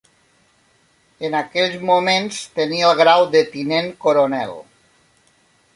En aquells moments tenia el grau de tinent coronel.